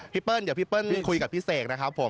เปิ้ลเดี๋ยวพี่เปิ้ลคุยกับพี่เสกนะครับผม